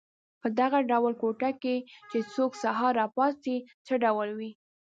په دغه ډول کوټه کې چې څوک سهار را پاڅي څه ډول وي.